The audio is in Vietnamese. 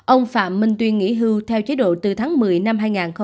ông phạm minh tuyên nghỉ hưu theo chế độ từ tháng một mươi năm hai nghìn một mươi bảy